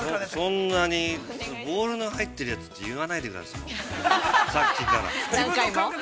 ◆そんなに、ボウルに入っているやつって言わないでください、さっきから。